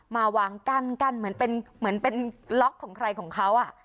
มาวางกั้นเหมือนเป็นล็อกของใครของเขา